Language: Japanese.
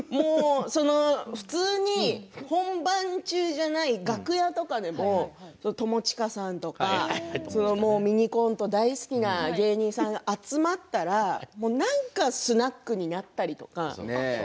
普通に本番中じゃない楽屋とかでも友近さんとかミニコント大好きな芸人さんが集まったら何かスナックになったりとか。